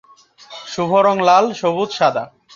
শুভ রং লাল, সবুজ, সাদা।